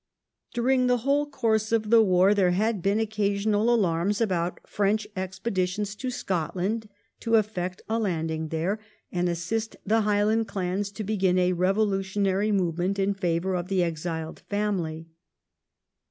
During the whole course of the war there had been occasional alarms about French expeditions to Scotland to efiect a landing there, and assist the Highland clans to begin a revolutionary movement in favour of the exiled family.